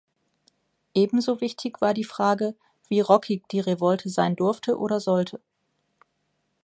Ebenso wichtig war die Frage, wie ‚rockig‘ die Revolte sein durfte oder sollte.